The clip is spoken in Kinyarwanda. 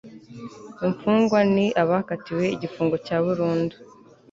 imfungwa ni abakatiwe igifungo cya burundu